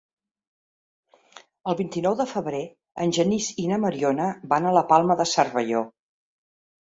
El vint-i-nou de febrer en Genís i na Mariona van a la Palma de Cervelló.